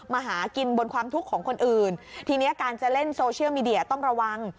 มาหากินบนความทุกข์ของคนอื่นทีนี้การจะเล่นโซเชียลมีเดียต้องระวัง